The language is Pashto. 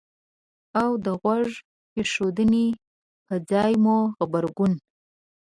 او د غوږ ایښودنې په ځای مو غبرګون